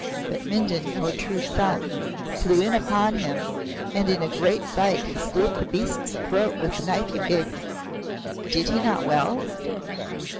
But, Mindon, your true son, flew in upon him and in a great fight he slit the beast's throat with the knife you gave him. Did he not well?"